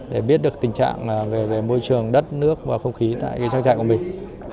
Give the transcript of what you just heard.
để biết được tình trạng về môi trường đất nước và không khí tại trang trại của mình